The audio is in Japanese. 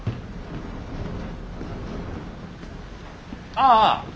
ああ。